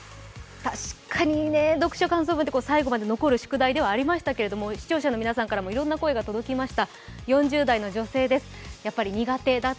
確かに、読書感想文って最後まで残る宿題ではありましたけど、視聴者の皆さんからもいろんな声があります。